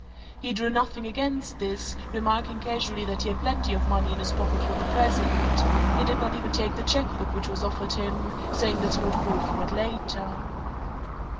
He drew nothing against this, remarking casually that he had plenty of money in his pocket for the present: he did not even take the cheque book which was offered him, saying that he would call for it later.